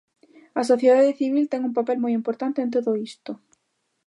A sociedade civil ten un papel moi importante en todo isto.